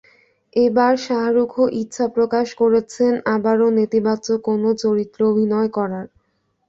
এবার শাহরুখও ইচ্ছা প্রকাশ করেছেন আবারও নেতিবাচক কোনো চরিত্রে অভিনয় করার।